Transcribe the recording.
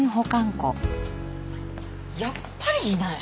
やっぱりいない。